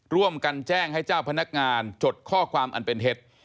ร่วมกันแจ้งให้เจ้าพนักงานจดข้อความอันเป็นเท็จ